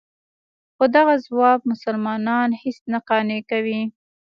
خو دغه ځواب مسلمانان هېڅ نه قانع کوي.